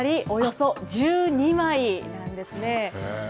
１人当たりおよそ１２枚なんですね。